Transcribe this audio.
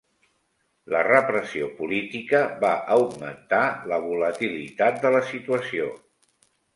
La repressió política va augmentar la volatilitat de la situació.